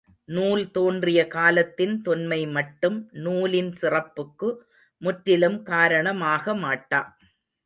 நூல் தோன்றிய காலத்தின் தொன்மைமட்டும் நூலின் சிறப்புக்கு முற்றிலும் காரணமாகமாட்டா.